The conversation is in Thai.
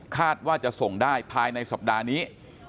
ว่าจะส่งได้ภายในสัปดาห์นี้